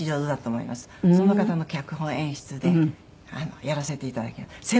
その方の脚本演出でやらせて頂きます。